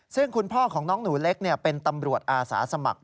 ซึ่งคุณพ่อของน้องหนูเล็กเป็นตำรวจอาสาสมัคร